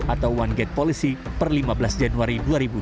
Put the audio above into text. atau one gate policy per lima belas januari dua ribu dua puluh